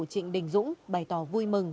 trịnh đình dũng bày tỏ vui mừng